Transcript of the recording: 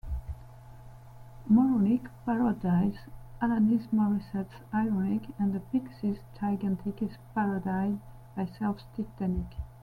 "Moronic" parodies Alanis Morissette's "Ironic," and the Pixies' "Gigantic" is parodied by Self's "Titanic".